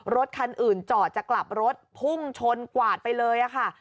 รถคันอื่นจอดจะกลับรถพุ่งชนกวาดไปเลยค่ะ